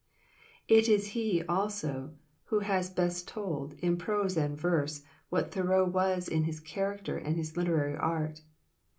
It is he, also, who has best told, in prose and verse, what Thoreau was in his character and his literary art.